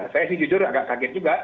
saya sih jujur agak kaget juga